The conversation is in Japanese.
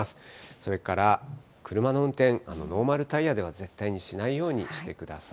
それから車の運転、ノーマルタイヤでは絶対にしないようにしてください。